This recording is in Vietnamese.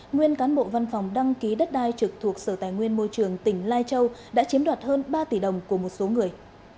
nguyên cán bộ văn phòng đăng ký đất đai trực thuộc sở tài nguyên môi trường tỉnh lai châu đã chiếm đoạt hơn ba tỷ đồng của một số người